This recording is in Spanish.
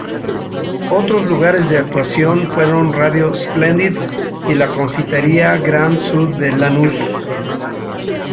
Otros lugares de actuación fueron Radio Splendid y la Confitería Grand Sud de Lanús.